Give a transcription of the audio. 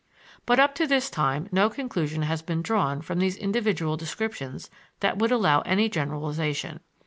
But up to this time no conclusion has been drawn from these individual descriptions that would allow any generalization.